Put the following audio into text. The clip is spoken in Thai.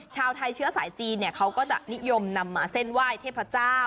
ชาวไทยเชื้อสายจีนเขาก็จะนิยมนำมาเส้นไหว้เทพเจ้า